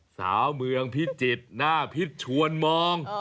สาวเมืองพิจิตรหน้าพิษชวนมอง